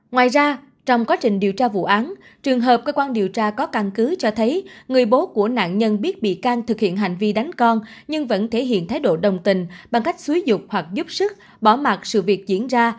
ngoài ra trong quá trình điều tra vụ án trường hợp cơ quan điều tra có căn cứ cho thấy người bố của nạn nhân biết bị can thực hiện hành vi đánh con nhưng vẫn thể hiện thái độ đồng tình bằng cách xúi dục hoặc giúp sức bỏ mặt sự việc diễn ra